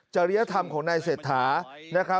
เจริยธรรมของนายเศรษฐา